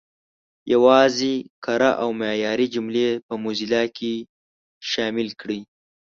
یوازې کره او معیاري جملې په موزیلا کې شامل کړئ.